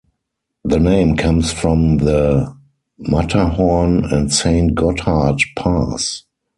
The name comes from the Matterhorn and Saint Gotthard Pass.